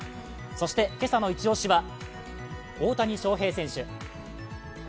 そして、今朝のイチ押しは大谷翔平選手。